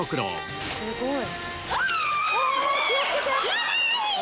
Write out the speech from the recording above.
すごい！